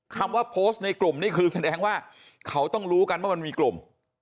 คำว่าโพสต์ในกลุ่มนี่คือแสดงว่าเขาต้องรู้กันว่ามันมีกลุ่ม